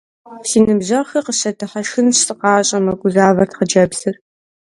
Си ныбжьэгъухэр къысщыдыхьэшхынщ, сыкъащӀэмэ, - гузавэрт хъыджэбзыр.